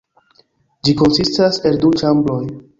Ĝi konsistas el du ĉambroj.